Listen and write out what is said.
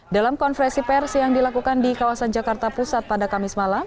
dalam konferensi pers yang dilakukan di kawasan jakarta pusat pada kamis malam